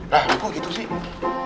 lah kok gitu sih